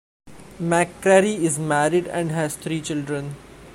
McCrary is married and has three children.